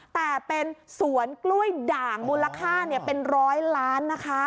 แต่เป็นสวนกล้วยด่างมูลค่าเป็นร้อยล้านนะคะ